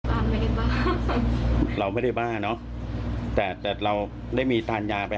อาจารย์อะไรอยู่ปกติไหมครับไม่ได้ทานแล้ว